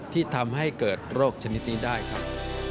ที่ทำให้เกิดโรคชนิดนี้ได้ครับ